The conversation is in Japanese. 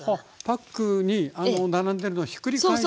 パックに並んでるのをひっくり返しながら。